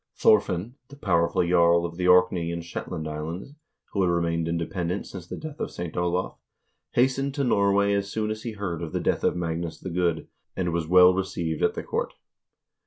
Thorfinn, the powerful jarl of the Orkney and Shetland Islands, who had remained independent since the death of St. Olav, hastened to Norway as soon as he heard of the death of Magnus the Good, and was well received at the court.